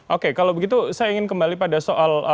oke kalau begitu saya ingin kembali pada soal